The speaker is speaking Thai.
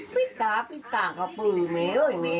ปิ๊บตากว่าปืนแม่เฮ้ย